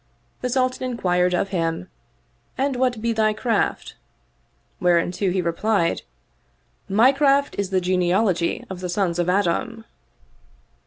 The Sultan in quired of him, " And what be thy craft? " Whereto he re plied, My craft is the genealogy of the sons of Adam."